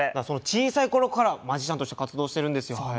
その小さい頃からマジシャンとして活動してるんですよ。